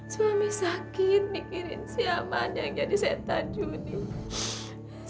suami sakit mikirin si aman yang jadi setan dia